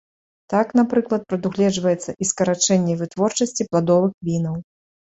Так, напрыклад, прадугледжваецца і скарачэнне вытворчасці пладовых вінаў.